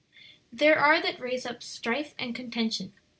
"There are that raise up strife and contention."